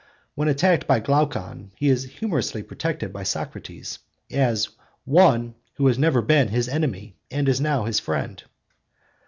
When attacked by Glaucon he is humorously protected by Socrates 'as one who has never been his enemy and is now his friend.